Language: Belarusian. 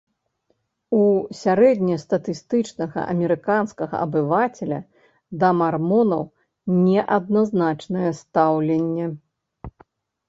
У сярэднестатыстычнага амерыканскага абывацеля да мармонаў неадназначнае стаўленне.